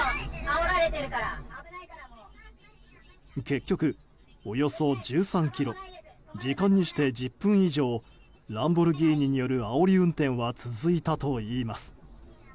結局、およそ１３ｋｍ時間にして１０分以上ランボルギーニによるあおり運転は続いたといいます。